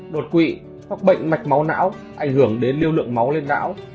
đột quỵ hoặc bệnh mạch máu não ảnh hưởng đến lưu lượng máu lên não